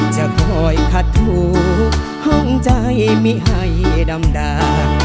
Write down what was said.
จะคอยคัดทูบห้องใจมีอัยดำดาว